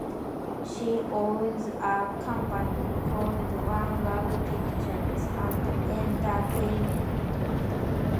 She owns a company called One Love Pictures and Entertainment.